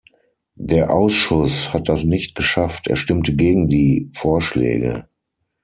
Der Ausschuss hat das nicht geschafft, er stimmte gegen die Vorschläge.